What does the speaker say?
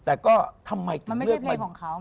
แต่ก็ทำไมถึงเลือกมันไม่ใช่เพลงของเขา